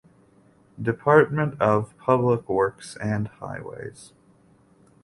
Department of Public Works and Highways